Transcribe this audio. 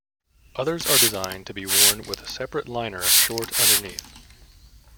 Others are designed to be worn with a separate liner short underneath.